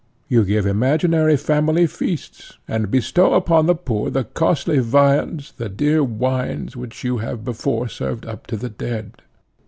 You give imaginary family feasts, and bestow upon the poor the costly viands, the dear wines, which you have before served up to the dead.